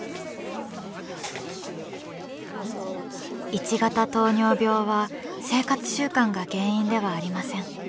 １型糖尿病は生活習慣が原因ではありません。